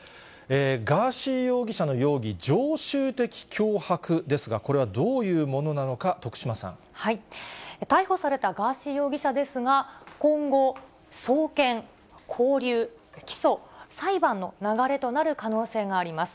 ガーシー容疑者の容疑、常習的脅迫ですが、これはどういうものな逮捕されたガーシー容疑者ですが、今後、送検、勾留、起訴、裁判の流れとなる可能性があります。